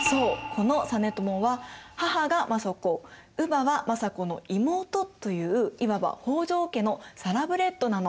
この実朝は母が政子乳母は政子の妹といういわば北条家のサラブレッドなの。